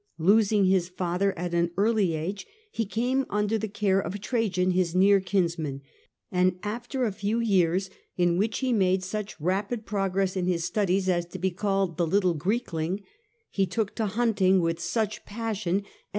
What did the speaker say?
Losing his father at an early age, he came under the care of Trajan, his near kinsman, and after a few years, in which he made such rapid progress in his studies as to be called ' the little Greekling,' he took to hunting with such passion as to /I.